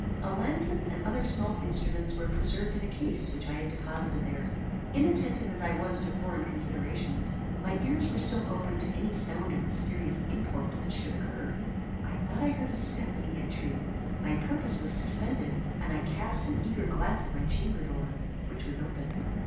A lancet and other small instruments were preserved in a case which I had deposited here. Inattentive as I was to foreign considerations, my ears were still open to any sound of mysterious import that should occur. I thought I heard a step in the entry. My purpose was suspended, and I cast an eager glance at my chamber door, which was open.